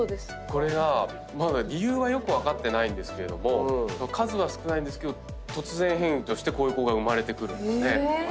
これはまだ理由はよく分かってないんですけども数は少ないけど突然変異としてこういう子が生まれてくるんです。